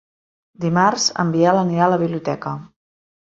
Dimarts en Biel anirà a la biblioteca.